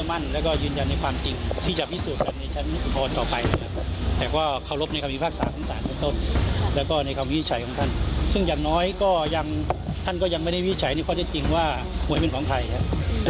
อังคามวิวิสัยของท่านซึ่งอย่างน้อยก็ยังท่านก็ยังไม่ได้วิวิสัยในข้อใดจริงว่าหมวยเป็นของใครฮะ